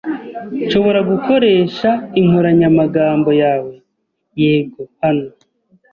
"Nshobora gukoresha inkoranyamagambo yawe?" "Yego, hano."